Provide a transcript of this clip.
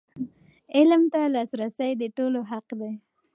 علم ته لاسرسی د ټولو حق دی.